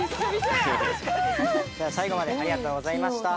いやありがとうございました。